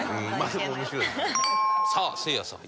さあせいやさん。